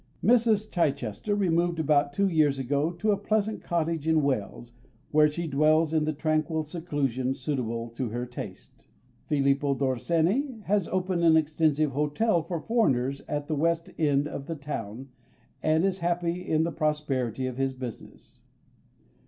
Mrs. Chichester removed about two years ago to a pleasant cottage in Wales, where she dwells in the tranquil seclusion suitable to her taste. Filippo Dorsenni has opened an extensive hotel for foreigners at the West End of the town, and is happy in the prosperity of his business.